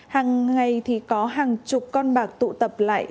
hàng ngày thì có hàng chục con bạc tụ tập lại